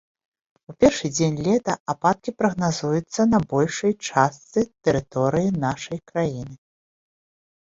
У першы дзень лета ападкі прагназуюцца на большай частцы тэрыторыі нашай краіны.